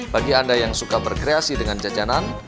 bagi anda yang suka berkreasi dengan jajanan